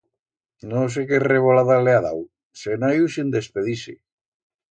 No sé qué revolada le ha dau, se'n ha iu sin despedir-se.